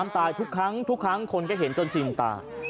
ทุกครั้งคนก็เห็นจนชิงตา